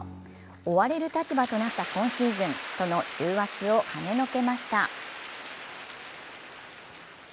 追われる立場となった今シーズン、その重圧をはねのけました。